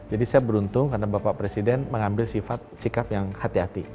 jadi saya beruntung karena bapak presiden mengambil sifat sikap yang hati hati